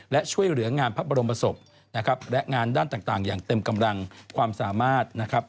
และช่วยเหลืองานพระบรมศพนะครับและงานด้านต่างอย่างเต็มกำลังความสามารถนะครับ